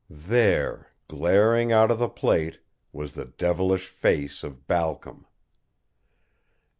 There, glaring out of the plate, was the devilish face of Balcom!